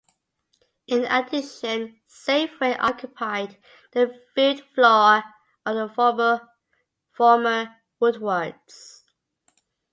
In addition, Safeway occupied the food floor of the former Woodward's.